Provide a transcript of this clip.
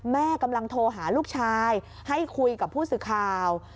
แม่กำลังโทรหาลูกชายให้คุยกับผู้สื่อข่าว